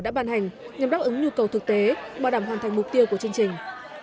đã ban hành nhằm đáp ứng nhu cầu thực tế bảo đảm hoàn thành mục tiêu của chương trình